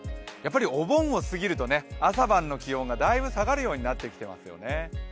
お盆を過ぎると朝晩の気温がだいぶ下がるようになってきてますよね。